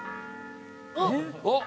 あっ！